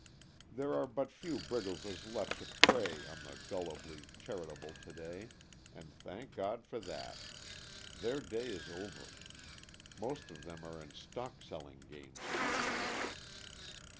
There are but few Briggleses left to prey on the gullibly charitable to day, and thank God for that. Their day is over. Most of them are in stock selling games now.